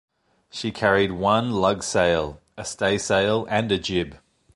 She carried one lug sail, a staysail and a jib.